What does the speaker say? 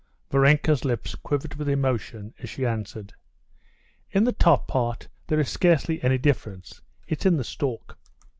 Varenka's lips quivered with emotion as she answered: "In the top part there is scarcely any difference, it's in the stalk."